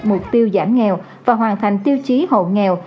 mục tiêu giảm nghèo và hoàn thành tiêu chí hộ nghèo